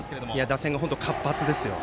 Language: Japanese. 打線が本当に活発ですよ。